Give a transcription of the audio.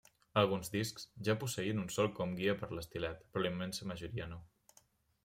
Alguns discs ja posseïen un solc com guia per l'estilet, però la immensa majoria no.